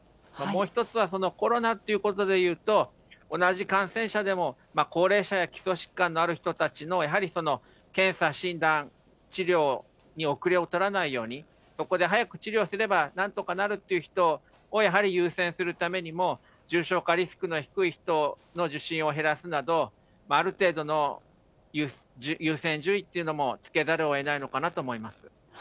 もう一つは、コロナっていうことで言うと、同じ感染者でも高齢者や基礎疾患のある人たちのやはり検査、診断、治療に後れを取らないように、そこで早く治療すれば、なんとかなるっていう人をやはり優先するためにも、重症化リスクの低い人の受診を減らすなど、ある程度の優先順位というのもつけざるをえないのかなと思います。